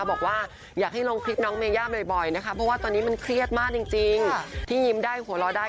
บอกว่าอยากให้ลงคลิปน้องเมย่าบ่อยนะคะเพราะว่าตอนนี้มันเครียดมากจริงที่ยิ้มได้หัวเราะได้